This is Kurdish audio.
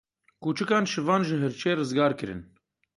Kûçikan şivan ji hirçê rizgar kirin.